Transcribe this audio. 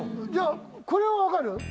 じゃあこれは分かる？